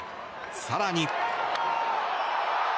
更に。